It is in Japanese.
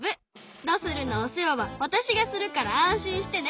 ドスルのお世話はわたしがするから安心してね。